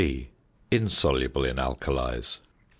(b) Insoluble in Alkalies.